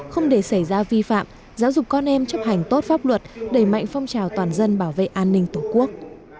không để xảy ra vi phạm giáo dục con em chấp hành tốt pháp luật đẩy mạnh phong trào toàn dân bảo vệ an ninh tổ quốc